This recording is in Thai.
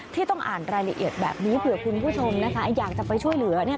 ที่ต้องอ่านรายละเอียดแบบนี้เผื่อคุณผู้ชมนะคะอยากจะไปช่วยเหลือ